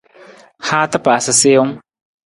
Haata paasa siwung.